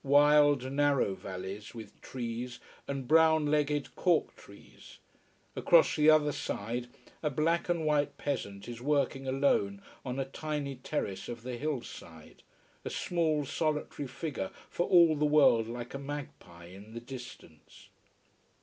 Wild, narrow valleys, with trees, and brown legged cork trees. Across the other side a black and white peasant is working alone on a tiny terrace of the hill side, a small, solitary figure, for all the world like a magpie in the distance.